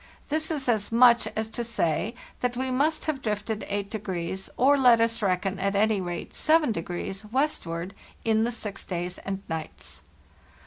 This is as much as to say that we must have drifted 8°, or let us reckon at any rate 7, westward in the six days and nights.